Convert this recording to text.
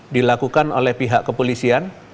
dilakukan oleh pihak kepolisian